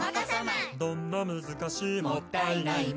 「どんな難しいもったいないも」